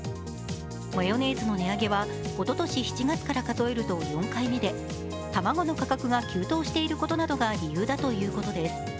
マヨネーズの値上げはおととし７月から数えると４回目で卵の価格が急騰していることなどが理由だということです。